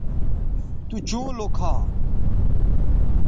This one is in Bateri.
تو چوں لوکھا